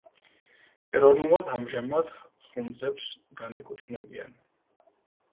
ეროვნულად ამჟამად ხუნძებს განეკუთვნებიან.